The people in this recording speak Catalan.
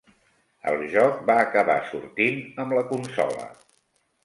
El joc va acabar sortint amb la consola.